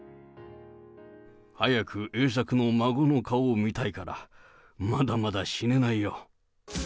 早く栄作の孫の顔を見たいから、まだまだ死ねないよ。